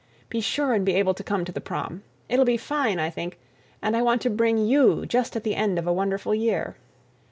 Be sure and be able to come to the prom. It'll be fine, I think, and I want to bring you just at the end of a wonderful year.